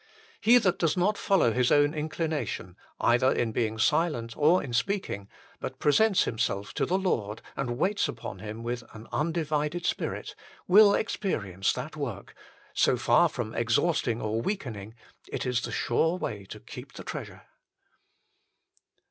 He that does not follow his own inclination, either in being silent or in speaking, but presents himself to the Lord and waits upon Him with an undivided spirit, will experience that work, so far from ex hausting or weakening, is the sure way to keep the treasure.